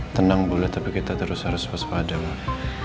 tenang boleh tapi kita terus harus pas pada mak